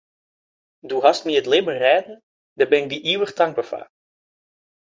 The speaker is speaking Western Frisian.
Do hast my it libben rêden, dêr bin ik dy ivich tankber foar.